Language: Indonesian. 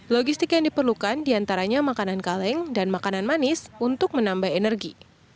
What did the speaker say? logistik yang diperlukan diantaranya makanan kaleng dan makanan manis untuk menambah energi